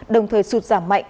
đồng thời sụt giảm mạnh